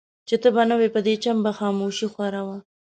چي ته به نه وې په دې چم به خاموشي خوره وه